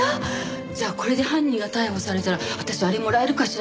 じゃあこれで犯人が逮捕されたら私あれもらえるかしら？